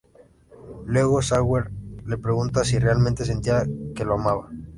Luego, Sawyer le pregunta si realmente sentía que lo amaba.